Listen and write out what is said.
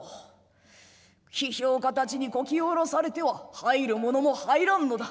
批評家たちにこき下ろされては入るものも入らんのだ」。